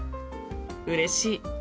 うれしい。